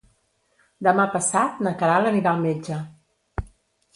Demà passat na Queralt anirà al metge.